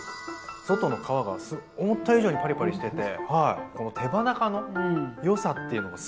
外の皮が思った以上にパリパリしててこの手羽中のよさっていうのがすっごくある気がしますね。